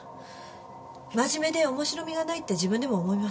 真面目で面白みがないって自分でも思います。